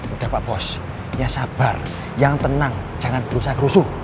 udah pak bos yang sabar yang tenang jangan berusaha kerusuh